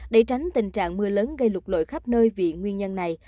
để tránh tình trạng mưa lớn gây lục lội khắp nơi vị nguyên nhân này